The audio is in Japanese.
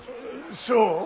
そう？